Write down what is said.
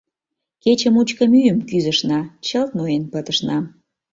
Кече мучко мӱйым кӱзышна, чылт ноен пытышна.